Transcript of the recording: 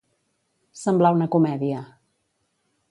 Semblar una comèdia.